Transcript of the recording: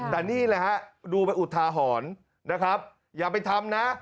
แต่นี่แหละฮะดูเป็นอุทาหรณ์นะครับอย่าไปทำนะ